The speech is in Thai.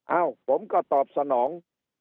เอ้าผมก็ตอบสนอง